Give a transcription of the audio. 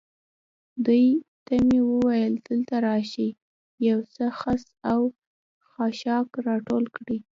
دوی ته مې وویل: دلته راشئ، یو څه خس او خاشاک را ټول کړئ.